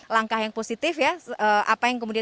langkah yang positif ya apa yang kemudian